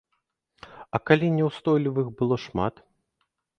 А калі няўстойлівых было шмат?